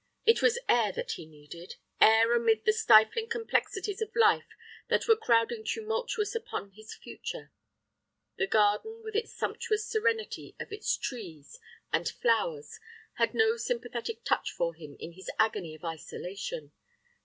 It was air that he needed—air amid the stifling complexities of life that were crowding tumultuous upon his future. The garden with the sumptuous serenity of its trees and flowers had no sympathetic touch for him in his agony of isolation.